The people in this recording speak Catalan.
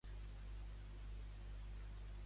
Què se n'intercanvien dos?